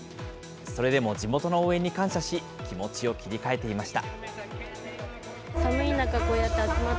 それでも地元の応援に感謝し、気持ちを切り替えていました。